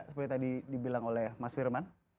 seperti tadi dibilang oleh mas firman